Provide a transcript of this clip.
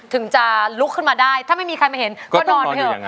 ถึงจะลุกขึ้นมาได้ถ้าไม่มีใครมาเห็นก็นอนเถอะ